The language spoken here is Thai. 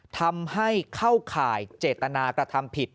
ทำให้เข้าข่ายเจตนากระทำผิด